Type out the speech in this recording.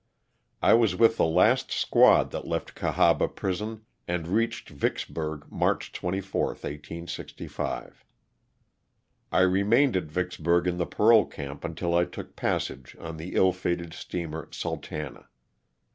I was with the last squad that left Cahaba prison and reached Vicksburg March 24, 1865. I remained at Vicksburg in the parole camp until I took passage on the ill fated steamer ''Sultana."